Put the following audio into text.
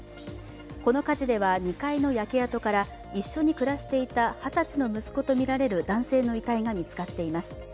この家事では２階の焼け跡から一緒に暮らしていた二十歳の息子とみられる男性の遺体が見つかっています。